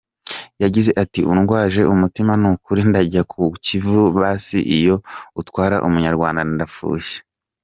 Yagize ati "Undwaje umutima nukuri ndajya mu Kivu basi iyo utwara umunyarwanda ndafushye".